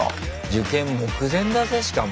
受験目前だぜしかも。